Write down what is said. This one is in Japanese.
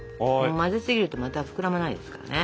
混ぜすぎるとまた膨らまないですからね。